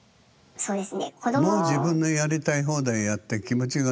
そうです。